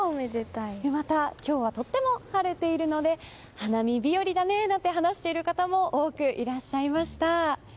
また、今日はとっても晴れているので花見日和だねなんて話している人も多くいらっしゃいました。